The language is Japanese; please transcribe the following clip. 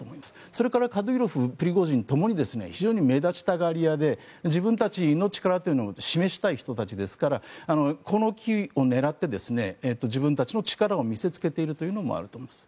それからカディロフプリゴジンともに非常に目立ちたがり屋で自分たちの力を示したい人たちですからこの機を狙って自分たちの力を見せつけているのもあると思います。